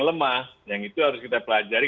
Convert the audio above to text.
lemah yang itu harus kita pelajari